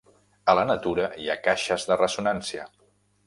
A la natura hi ha caixes de ressonància.